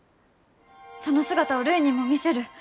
その姿をるいにも見せる。